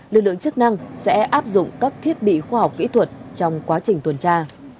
lực lượng chức năng sẽ áp dụng các thiết bị khoa học kỹ thuật trong quá trình tuần tra